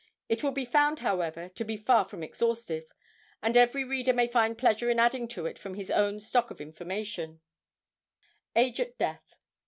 It will be found, however, to be far from exhaustive, and every reader may find pleasure in adding to it from his own stock of information: Age at Death.